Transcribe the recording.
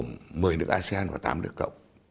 một mươi nước asean và tám nước cộng